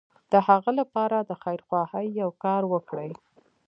د هغه لپاره د خيرخواهي يو کار وکړي.